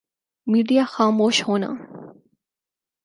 media خاموش ہونا